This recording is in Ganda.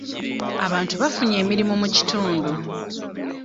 Abantu bafunye emirimu mu kitundu.